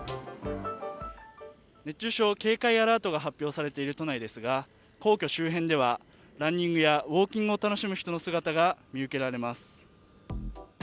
熱中症警戒アラートが発表されている都内ですが皇居周辺ではランニングやウオーキングを楽しむ人の姿が見られます。